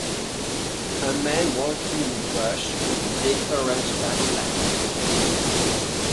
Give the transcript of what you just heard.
A man walking in brush with a big orange backpack.